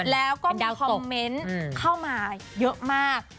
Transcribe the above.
แล้วก็มีคอมเมนต์เข้ามาเยอะมาก